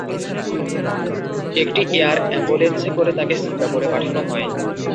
একটি এয়ার অ্যাম্বুলেন্সে করে তাঁকে সিঙ্গাপুরে পাঠানো হয়।